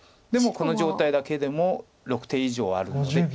この状態だけでも６手以上あるので。